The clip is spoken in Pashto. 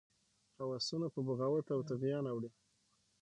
هوسونه په بغاوت او طغیان اوړي.